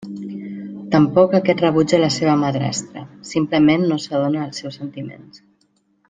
Tampoc aquest rebutja la seva madrastra, simplement no s’adona dels seus sentiments.